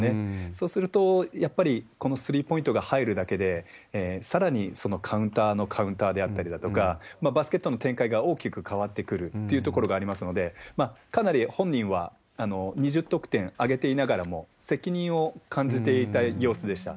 そうすると、やっぱりこのスリーポイントが入るだけで、さらにそのカウンターのカウンターであったりだとか、バスケットの展開が大きく変わってくるというところがありますので、かなり本人は２０得点挙げていながらも、責任を感じていた様子でした。